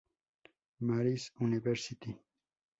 Mary’s University".